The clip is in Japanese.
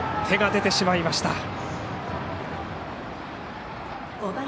手が出てしまいました。